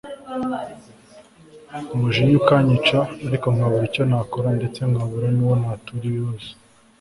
umujinya ukanyica ariko nkabura icyo nakora ndetse nkabura nuwo natura ibibazo